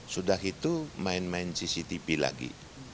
sudah itu main main cctv lagi